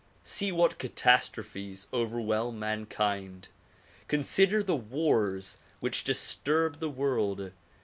See what catastrophes overwhelm mankind. Consider the wars which disturb the world.